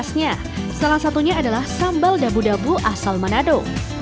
sambal dabu dabu asal manado